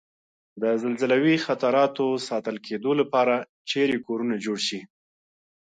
د زلزلوي خطراتو ساتل کېدو لپاره چېرې کورنه جوړ شي؟